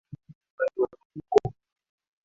Wakati wa mlipuko